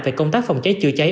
về công tác phòng cháy chữa cháy